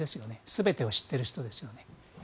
全てを知っている人ですよね。